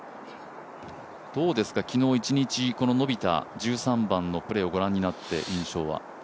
昨日一日、伸びた１３番のプレーをご覧になって印象は？